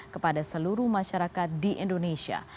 kepada seluruh masyarakat di indonesia